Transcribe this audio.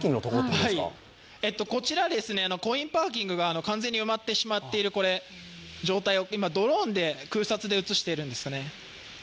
こちらはコインパーキングが完全に埋まってしまっている状態を今ドローンで空撮で映しているんですね。